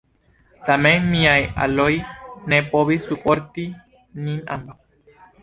Tamen, miaj aloj ne povis subporti nin ambaŭ.